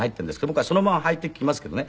僕はそのまま履いていきますけどね。